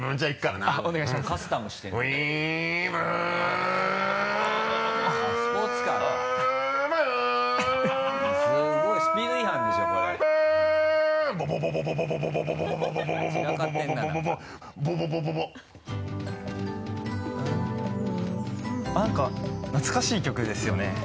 あっ何か懐かしい曲ですよね。